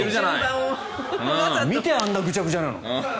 見てあんなぐちゃぐちゃなの。